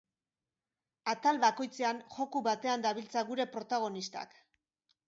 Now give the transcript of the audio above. Atal bakoitzean joku batean dabiltza gure protagonistak.